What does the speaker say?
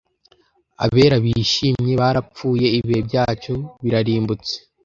abera bishimye barapfuye ibihe byacu birarimbutse